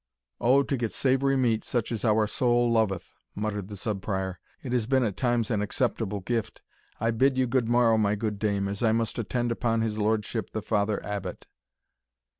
"Oh, to get savoury meat, such as our soul loveth," muttered the Sub Prior; "it has been at times an acceptable gift. I bid you good morrow, my good dame, as I must attend upon his lordship the Father Abbot."